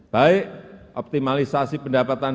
baik optimalisasi pendapatan